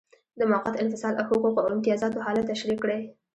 د موقت انفصال او حقوقو او امتیازاتو حالت تشریح کړئ.